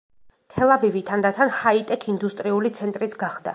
თელ-ავივი თანდათან ჰაი-ტექ ინდუსტრიული ცენტრიც გახდა.